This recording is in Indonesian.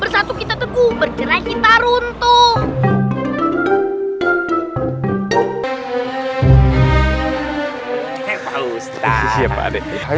bersatu kita teguh bergerak kita runtuh